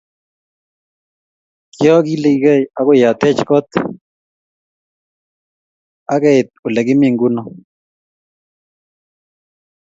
Kiakileki akoi atech kot akeit olekimii mguno